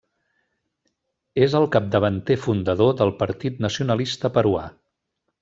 És el capdavanter fundador del Partit Nacionalista Peruà.